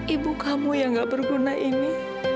ibu kamu yang gak berguna ini